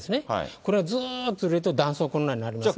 これはずーっと揺れると、断層、こんなになりますね。